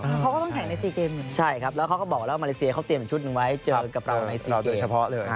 เขาก็ต้องแข่งใน๔เกมใช่ครับแล้วเขาก็บอกเราว่ามาเลเซียเขาเปลี่ยน๑ชุดหนึ่งไว้เจอกับเรากระเป๋าใน๔เกม